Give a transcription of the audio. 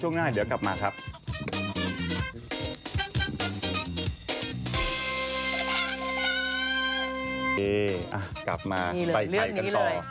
ทนี่เลยเรื่องนี้เลย